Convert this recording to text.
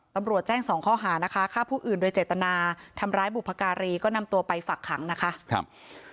ตำรวจแจ้งสองข้อหานะคะฆ่าผู้อื่นโดยเจตนาทำร้ายบุพการีก็นำตัวไปฝักขังนะคะครับ